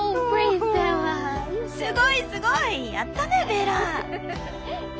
すごいすごいやったねベラ！